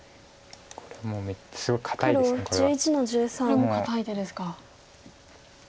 これも堅い手ですか。